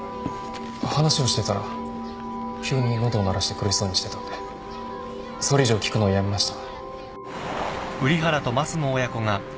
話をしてたら急に喉を鳴らして苦しそうにしてたんでそれ以上聞くのをやめました。